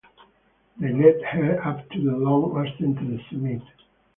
They led her up the long ascent to the summit.